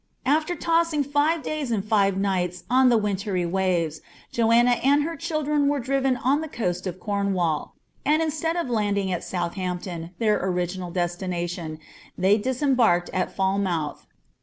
After tossing 6n days and five nights on ihe wintry waves, Joanna and her chililrca ««n driven on the coa^t of Cornwall ; and instead of landing at SoutlutmpnOi iheir original deatinaiiou, they disembarked at Falmouth.